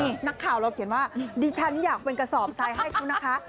นี่นักข่าวเราเขียนว่าดิฉันอยากเป็นกระสอบทรายให้เขานะคะ